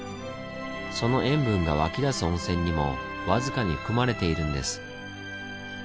その塩分が湧き出す温泉にも僅かに含まれているんです。